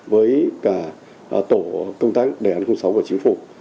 với cả tổ công tác đề án sáu của chính phủ